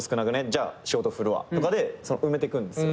じゃあ仕事振るわとかで埋めてくんですよ